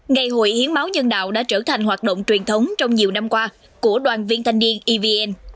ngày hội hiến máu nhân đạo đã trở thành hoạt động truyền thống trong nhiều năm qua của đoàn viên thanh niên evn